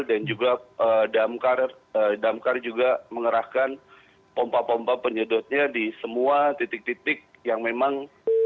dan juga damkar juga mengerahkan pompa pompa penyedotnya di semua titik titik yang memang